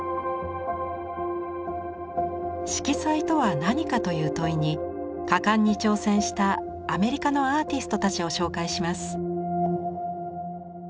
色彩とは何か？という問いに果敢に挑戦したアメリカのアーティストたちを紹介します。